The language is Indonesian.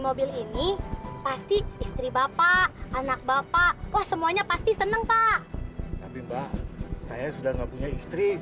mobil ini pasti istri bapak anak bapak oh semuanya pasti senang pak saya sudah nggak punya istri